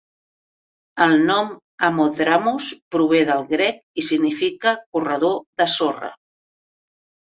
El nom "Ammodramus" prové del grec i significa "corredor de sorra".